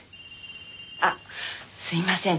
あっすいません。